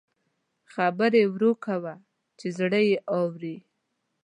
خبرې ورو کوه چې زړه یې اوري